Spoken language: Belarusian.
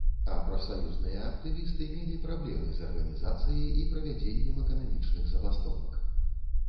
А прафсаюзныя актывісты мелі праблемы з арганізацыяй і правядзеннем эканамічных забастовак.